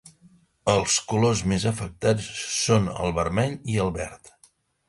Els colors més afectats són el vermell i el verd.